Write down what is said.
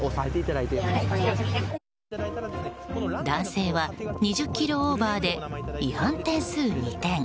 男性は２０キロオーバーで違反点数２点。